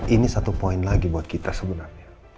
ini satu poin lagi buat kita sebenarnya